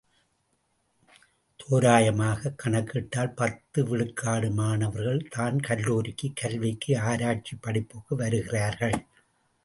தோராயமாகக் கணக்கிட்டால் பத்து விழுக்காடு மாணவர்கள் தான் கல்லூரிக் கல்விக்கு ஆராய்ச்சிப் படிப்புக்கு வருகிறார்கள்.